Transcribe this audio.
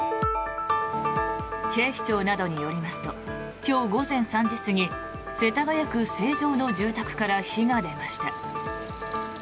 警視庁などによりますと今日午前３時過ぎ世田谷区成城の住宅から火が出ました。